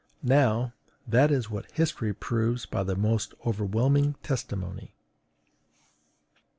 Now, that is what history proves by the most overwhelming testimony.